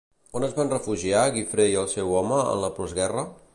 On es van refugiar Gifre i el seu home en la postguerra?